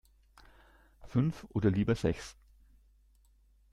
Fünf oder lieber sechs?